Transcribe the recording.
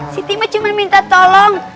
siti mah cuma minta tolong